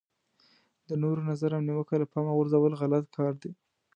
د نورو نظر او نیوکه له پامه غورځول غلط کار دی.